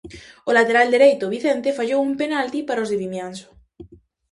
O lateral dereito, Vicente, fallou un penalti para os de Vimianzo.